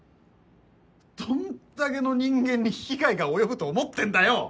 どんだけの人間に被害が及ぶと思ってんだよ。